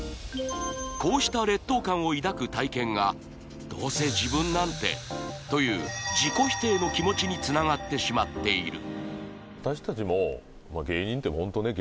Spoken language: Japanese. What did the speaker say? こうした劣等感を抱く体験が「どうせ自分なんて」という自己否定の気持ちにつながってしまっている私たちも芸人ってホントね